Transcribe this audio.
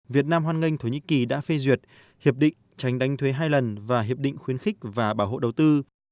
việt nam hoan nghênh thổ nhĩ kỳ đã phê duyệt hiệp định tránh đánh thuế hai lần và hiệp định khuyến khích và bảo hộ đầu tư